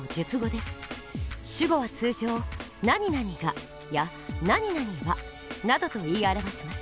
主語は通常「何々が」や「何々は」などと言い表します。